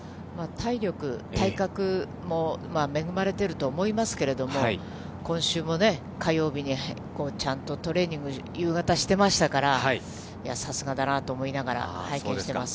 体力、体格も恵まれていると思いますけれども、今週もね、火曜日にちゃんとトレーニング、夕方してましたから、いや、さすがだなと思いながら拝見してます。